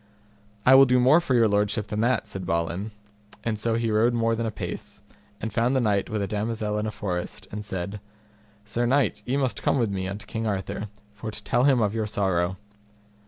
I will do more for your lordship than that, said Balin; and so he rode more than a pace, and found the knight with a damosel in a forest, and said, Sir knight, ye must come with me unto King Arthur, for to tell him of your sorrow.